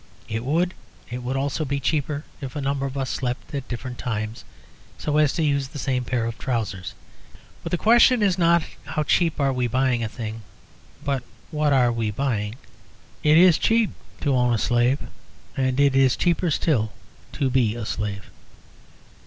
So it would. It would also be cheaper if a number of us slept at different times, so as to use the same pair of trousers. But the question is not how cheap are we buying a thing, but what are we buying? It is cheap to own a slave. And it is cheaper still to be a slave.